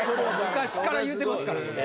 昔から言うてますから。